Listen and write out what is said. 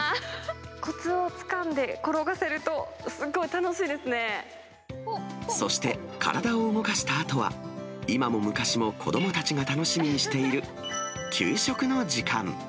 こつをつかんで転そして、体を動かしたあとは、今も昔も子どもたちが楽しみにしている給食の時間。